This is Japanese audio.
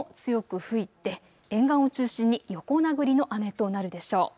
そして風も強く吹いて沿岸を中心に横殴りの雨となるでしょう。